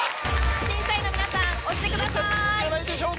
審査員の皆さん押してください。